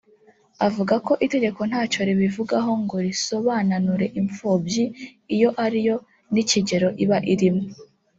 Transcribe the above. avuga ko itegeko ntacyo ribivugaho ngo risobonanure impfubyi iyo ariyo n’ikigero iba irimo